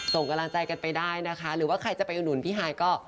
ส่งกำลังใจกันไปได้นะคะหรือว่าใครจะไปอุดหนุนพี่ฮายก็